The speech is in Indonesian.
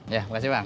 ya makasih bang